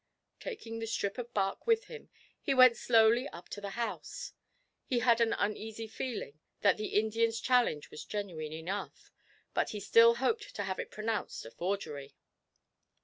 Taking the strip of bark with him, he went slowly up to the house. He had an uneasy feeling that the Indian's challenge was genuine enough, but he still hoped to have it pronounced a forgery.